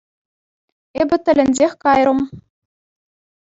Эпӗ тӗлӗнсех кайрӑм.